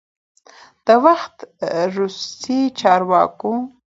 چې د وخت روسی چارواکو،